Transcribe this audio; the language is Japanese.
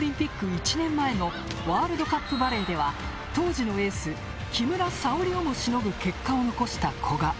１年前のワールドカップバレーでは当時のエース木村沙織をもしのぐ結果を残した古賀。